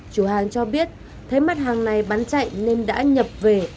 chủ hàng cho biết thấy mặt hàng này bán chạy nên đã nhập về